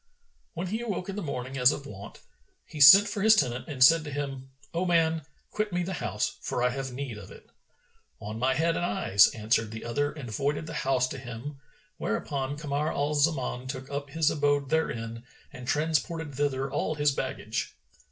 When he awoke in the morning as of wont, he sent for his tenant and said to him, "O man, quit me the house, for I have need of it." "On my head and eyes," answered the other and voided the house to him, whereupon Kamar al Zaman took up his abode therein and transported thither all his baggage.